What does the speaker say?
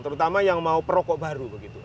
terutama yang mau perokok baru begitu